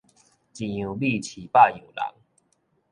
一樣米飼百樣人